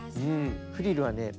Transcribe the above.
フリルはね